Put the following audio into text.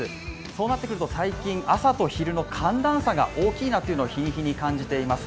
そうなってくると最近、朝と昼の寒暖差が大きいというのを日に日に感じています。